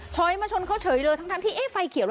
แต่ฉันเขาเฉยเลยจริงไหม